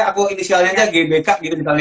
aku inisialnya gbk gitu misalnya